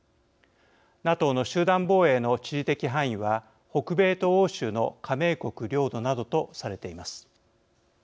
ＮＡＴＯの集団防衛の地理的範囲は北米と欧州の加盟国領土などとされています。